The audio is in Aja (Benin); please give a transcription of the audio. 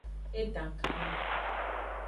E dan kalon.